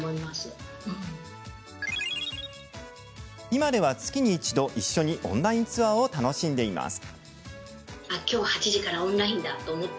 今では月に一度一緒にオンラインツアーを楽しんでいます。